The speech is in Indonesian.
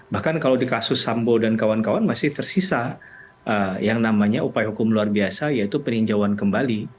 bahkan kalau di kasus sambo dan kawan kawan masih tersisa yang namanya upaya hukum luar biasa yaitu peninjauan kembali